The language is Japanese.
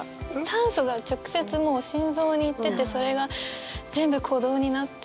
酸素が直接もう心臓に行っててそれが全部鼓動になっててっていう。